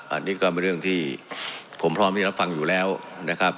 อันนี้ก็เป็นเรื่องที่ผมพร้อมที่รับฟังอยู่แล้วนะครับ